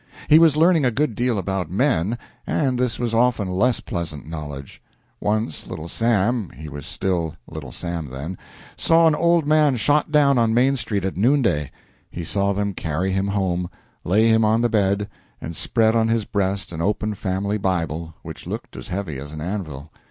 He was learning a good deal about men, and this was often less pleasant knowledge. Once Little Sam he was still Little Sam then saw an old man shot down on Main Street at noon day. He saw them carry him home, lay him on the bed, and spread on his breast an open family Bible, which looked as heavy as an anvil.